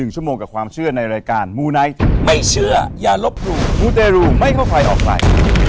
๑ชั่วโมงกับความเชื่อในรายการมูไนท์ไม่เชื่ออย่าลบหลู่มูเตรูไม่เข้าใครออกใคร